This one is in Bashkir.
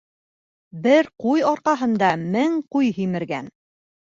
Бер ҡуй арҡаһында мең ҡуй һимергән.